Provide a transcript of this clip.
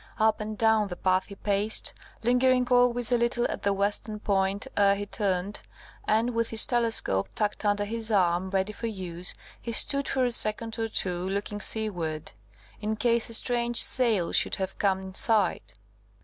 Up and down the path he paced, lingering always a little at the western point ere he turned; and with his telescope tucked under his arm ready for use, he stood for a second or two looking seaward, in case a strange sail should have come in sight.